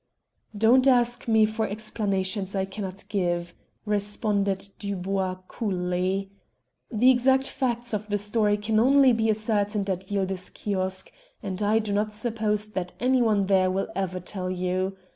"Don't ask me for explanations I cannot give," responded Dubois coolly. "The exact facts of this story can only be ascertained at Yildiz Kiosk, and I do not suppose that anyone there will ever tell you.